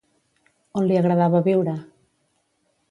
On li agradava viure?